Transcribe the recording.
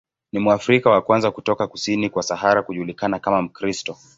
Ni Mwafrika wa kwanza kutoka kusini kwa Sahara kujulikana kama Mkristo.